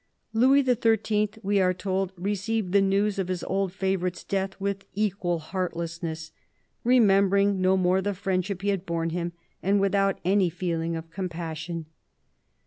Louis XIII., we are told, received the news of his old favourite's death with equal heartlessness —" remembering no more the friendship he had borne him and without any feeling of compassion."